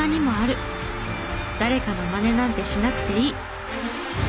誰かのまねなんてしなくていい。